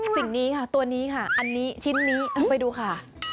สิ่งนี้ค่ะตัวนี้ค่ะอันนี้ชิ้นนี้ไปดูค่ะ